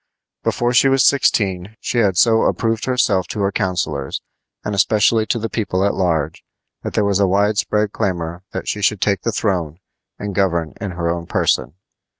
Before she was sixteen she had so approved herself to her counselors, and especially to the people at large, that there was a wide spread clamor that she should take the throne and govern in her own person.